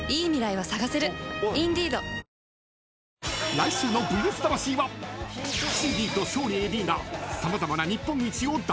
［来週の『ＶＳ魂』は岸Ｄと勝利ＡＤが様々な］